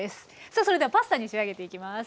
さあそれではパスタに仕上げていきます。